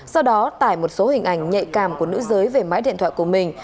sau đó tải một số hình ảnh nhạy cảm của nữ giới về máy điện thoại của mình